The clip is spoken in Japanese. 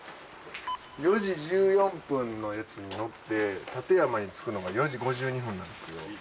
４時１４分のやつに乗って館山に着くのが４時５２分なんですよ。